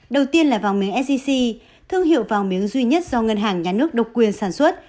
đầu tiên là vàng miếng sgc thương hiệu vàng miếng duy nhất do ngân hàng nhà nước độc quyền sản xuất